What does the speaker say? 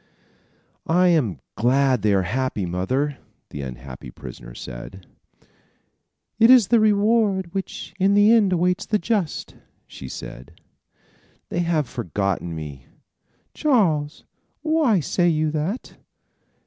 "I am glad they are happy, mother," the unhappy prisoner said. "It is the reward which in the end awaits the just," she said. "They have forgotten me." "Charles, why say you that?"